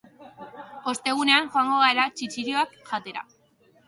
Ostegunean joango gara txitxirioak jatera.